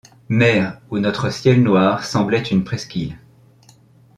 Mer où notre ciel noir semblait une presqu’île